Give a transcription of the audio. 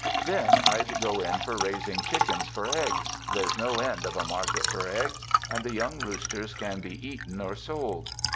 Then I'd go in for raising chickens for eggs — there's no end of a market for eggs, and the young roosters can be eaten or sold.